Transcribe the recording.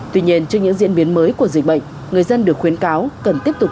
tuy nhiên trước những diễn biến mới của dịch bệnh người dân được khuyến cáo cần tiếp tục